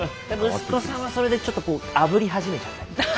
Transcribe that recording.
息子さんはそれでちょっとこうあぶり始めちゃったり？